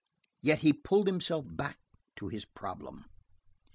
Yet he pulled himself back to his problem.